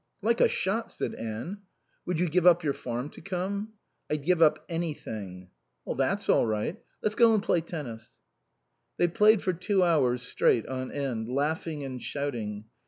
"Like a shot," said Anne. "Would you give up your farm to come?" "I'd give up anything." "That's all right. Let's go and play tennis." They played for two hours straight on end, laughing and shouting.